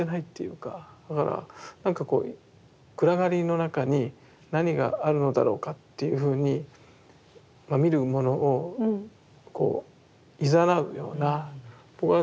だからなんかこう暗がりの中に何があるのだろうかというふうに見る者をいざなうような僕はなんかそういうものを感じるんですよね。